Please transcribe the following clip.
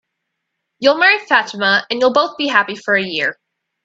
You'll marry Fatima, and you'll both be happy for a year.